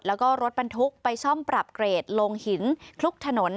แล้วก็รถบรรทุกไปซ่อมปรับเกรดลงหินคลุกถนน